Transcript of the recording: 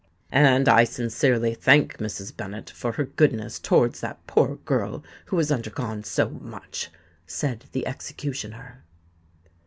"And I sincerely thank Mrs. Bennet for her goodness towards that poor girl who has undergone so much," said the executioner.